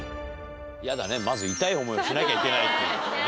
やだねまず痛い思いをしなきゃいけないっていうね。